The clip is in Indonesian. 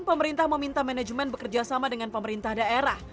pemerintah meminta manajemen bekerja sama dengan pemerintah daerah